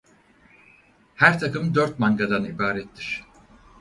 Her takım dört mangadan ibarettir.